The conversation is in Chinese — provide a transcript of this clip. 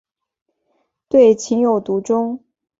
对情有独钟。